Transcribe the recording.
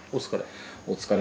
お疲れ。